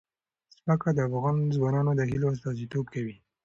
ځمکه د افغان ځوانانو د هیلو استازیتوب کوي.